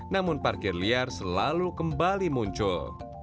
namun parkir liar selalu kembali muncul